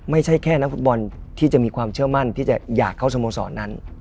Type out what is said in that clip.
ไม่ใช่แค่นักฟุตบอลที่จะมีความเชื่อมั่นที่จะอยากเข้าสโมสรนั้น